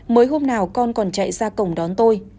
mới hôm nào con còn chạy ra cổng đón tôi